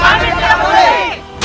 kami tidak boleh